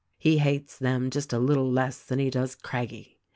He hates them just a little less than he does Craggie.